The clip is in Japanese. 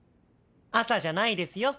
朝じゃないですよ。